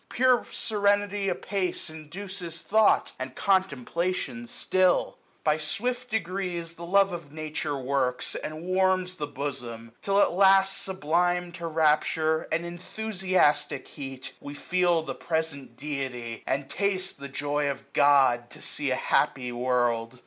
Pure serenity apace Induces thought, and contemplation still. 895 SPRING. ss By swift degrees the love of Nature works, And warms the bosom ; till at last sublim'd To rapture, and enthusiastic heat. We feel the present Deity, and taste The joy of God to see a happy world